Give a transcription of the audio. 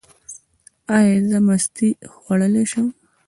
ایا زه مستې خوړلی شم؟